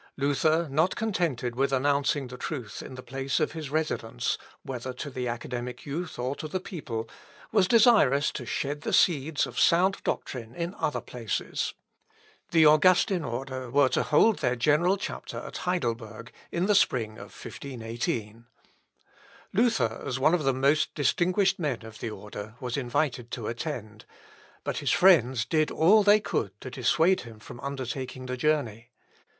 Luther, not contented with announcing the truth in the place of his residence, whether to the academic youth or to the people, was desirous to shed the seeds of sound doctrine in other places. The Augustin order were to hold their general chapter at Heidelberg, in the spring of 1518. Luther, as one of the most distinguished men of the order, was invited to attend; but his friends did all they could to dissuade him from undertaking the journey.